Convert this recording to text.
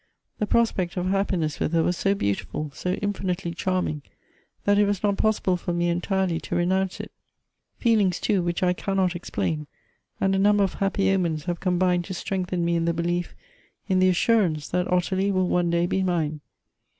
The prospect of happiness with her was so beautiful, so infinitely charming, that it was not possible for me entirely to renounce it.( Feelings, too, which I cannot explain, and a number of happy omens, liave combined to strengthen me in the belief, in the assurance,, that Ottilie win 'One day be mine.